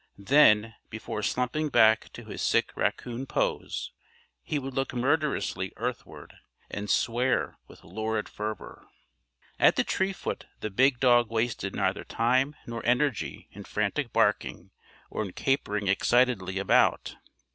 Then, before slumping back to his sick raccoon pose, he would look murderously earthward and swear with lurid fervor. At the tree foot the big dog wasted neither time nor energy in frantic barking or in capering excitedly about.